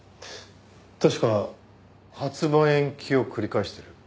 確か発売延期を繰り返してる？